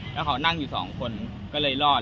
แล้วเขานั่งอยู่สองคนก็เลยรอด